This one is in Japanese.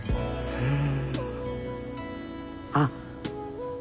うん。